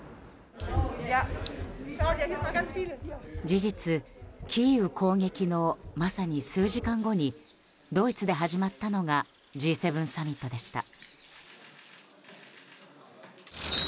事実、キーウ攻撃のまさに数時間後にドイツで始まったのがＧ７サミットでした。